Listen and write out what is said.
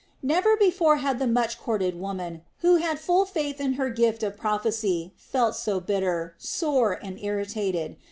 Never before had the much courted woman, who had full faith in her gift of prophesy, felt so bitter, sore, and irritated.